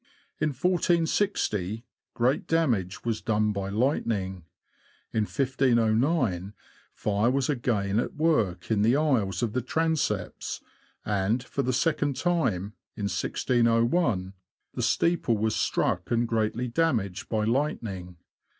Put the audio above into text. In 1460, great damage was done by lightning; in 1509, fire was again at work in the aisles of the transepts ; and, for the second time, in 1 60 1 the steeple was struck and greatly damaged by lightning.